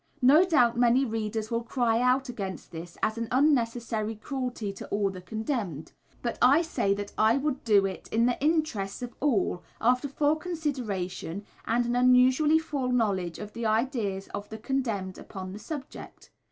No doubt many readers will cry out against this as an unnecessary cruelty to the condemned, but I say that I would do it in the interests of all after full consideration and an unusually full knowledge of the ideas of the condemned upon the subject.